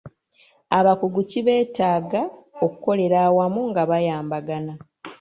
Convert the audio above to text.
Abakugu ki beetaaga okukolera awamu nga bayambagana